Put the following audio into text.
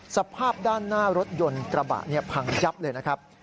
สภาพด้านหน้ารถยนต์กระบะพังยับเลยนะครับ